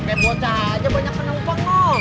kebocanya banyak penumpang